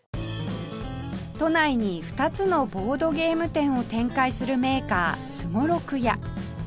都内に２つのボードゲーム店を展開するメーカーすごろくや